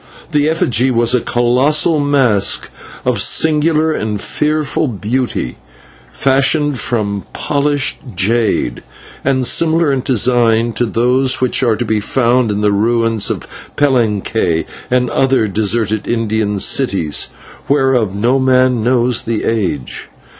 That effigy was a colossal mask of singular and fearful beauty, fashioned from polished jade, and similar in design to those which are to be found in the ruins of Palenque and other deserted Indian cities, whereof no man knows the age.